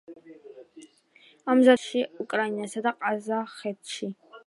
ამზადებენ ასევე ბელარუსში, უკრაინასა და ყაზახეთში.